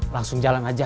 langsung jalan aja